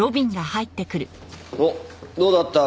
おっどうだった？